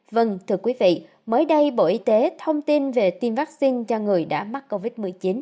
vâng thưa quý vị mới đây bộ y tế thông tin về tiêm vaccine cho người đã mắc covid một mươi chín